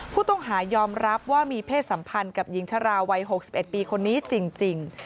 ผู้ต้องหายอมรับว่ามีเพศสัมพันธ์กับหญิงชราวัย๖๑ปีคนนี้จริง